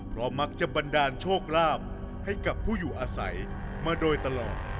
เพราะมักจะบันดาลโชคลาภให้กับผู้อยู่อาศัยมาโดยตลอด